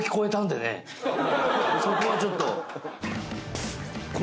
そこはちょっと。